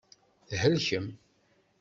Thelkem.